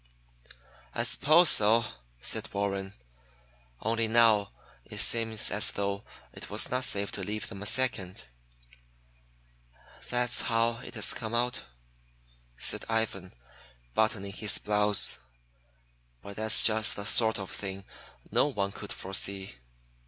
"I suppose so," said Warren. "Only now it seems as though it was not safe to leave them a second." "That's how it has come out," said Ivan, buttoning his blouse, "but that's just the sort of thing no one could foresee.